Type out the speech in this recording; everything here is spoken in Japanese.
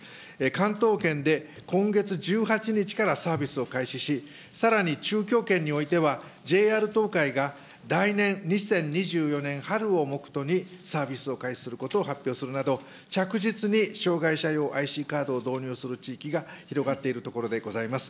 関東圏で今月１８日からサービスを開始し、さらに中京圏においては、ＪＲ東海が来年・２０２４年春を目途にサービスを開始することを発表するなど、着実に障害者用ＩＣカードを導入する地域が広がっているところでございます。